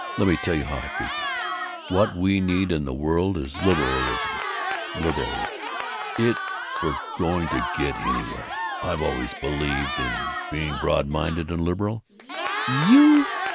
Let me tell you how I figure it: What we need in the world is liberalism, liberality, if we're going to get anywhere. I've always believed in being broad minded and liberal " "You?